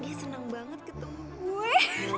dia senang banget ketemu gue